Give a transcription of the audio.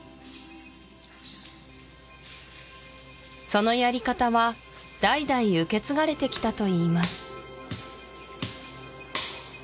そのやり方は代々受け継がれてきたといいます